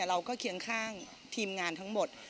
เคียงข้างทีมงานทั้งหมด